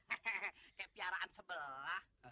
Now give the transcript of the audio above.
hehehe kayak piaraan sebelah